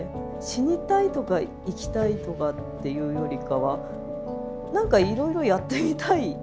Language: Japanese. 死にたいとか生きたいとかっていうよりかは何かいろいろやってみたい。